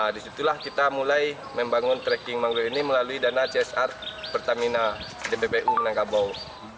disitulah kita mulai membangun trekking mangrove ini melalui dana csr pertamina dpbu nangkabau